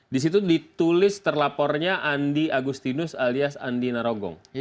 di situ ditulis terlapornya andi agustinus alias andi narogong